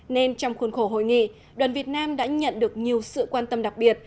nên trong khuôn khổ hội nghị đoàn việt nam đã nhận được nhiều sự quan tâm đặc biệt